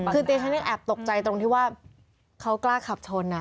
คือดิฉันยังแอบตกใจตรงที่ว่าเขากล้าขับชน